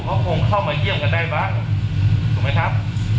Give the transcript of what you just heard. เขาคงเข้ามาเยี่ยมกันได้มั้งถูกไหมครับ